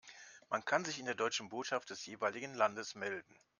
Man kann sich in der deutschen Botschaft des jeweiligen Landes melden.